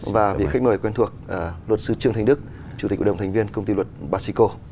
và hai vị khách mời quen thuộc luật sư trương thành đức chủ tịch ủy đồng thành viên công ty luật basico